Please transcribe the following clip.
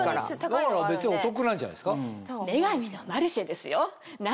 だから別にお得なんじゃないですか？ですよ。